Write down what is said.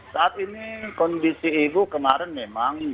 saat ini kondisi ibu kemarin memang